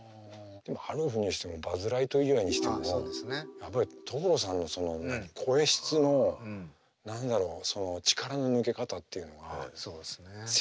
でも「アルフ」にしてもバズ・ライトイヤーにしてもやっぱり所さんのその声質の何だろうその力の抜け方っていうのが。